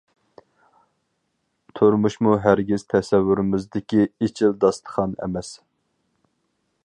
تۇرمۇشمۇ ھەرگىز تەسەۋۋۇرىمىزدىكى ‹ ‹ئېچىل داستىخان› › ئەمەس.